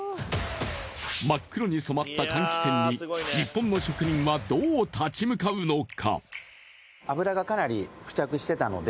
真っ黒に染まった換気扇に日本の職人はどう立ち向かうのか。